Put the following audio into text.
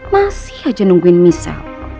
masih aja nungguin misal